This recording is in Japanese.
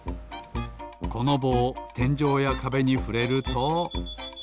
このぼうてんじょうやかべにふれるとピピピピ。